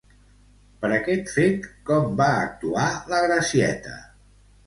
Per aquest fet, com va actuar la Gracieta?